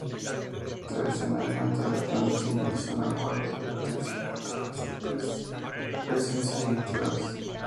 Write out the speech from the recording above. Tradicionalmente los leones simbolizaban la guardia y protección contra las presencias negativas.